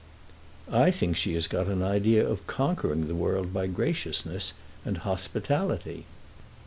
"I think she has got an idea of conquering the world by graciousness and hospitality."